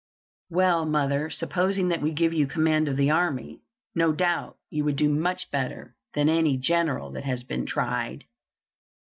"Well, mother, supposing that we give you command of the army. No doubt you would do much better than any general that has been tried."